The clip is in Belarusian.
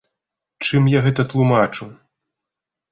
Чым я гэта тлумачу?